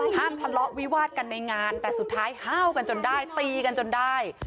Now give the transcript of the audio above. ทะเลาะวิวาดกันในงานแต่สุดท้ายห้าวกันจนได้ตีกันจนได้